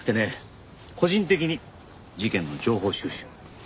個人的に事件の情報収集。